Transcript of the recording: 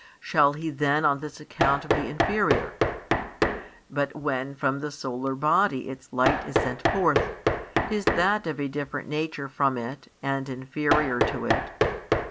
Shall He then on this account be inferior? But when from the solar body its light is sent forth, is that of a different nature from it and inferior to it?